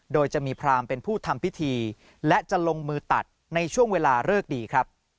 โดยจะมีพรามเป็นผู้ทำพิธีและจะลงมือตัดในช่วงเวลาเลิกดีครับ